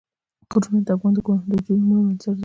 غرونه د افغان کورنیو د دودونو مهم عنصر دی.